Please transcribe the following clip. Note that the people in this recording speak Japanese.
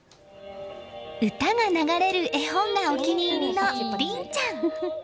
歌が流れる絵本がお気に入りの凛ちゃん。